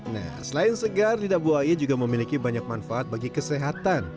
nah selain segar lidah buaya juga memiliki banyak manfaat bagi kesehatan